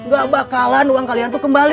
gak bakalan uang kalian tuh kembali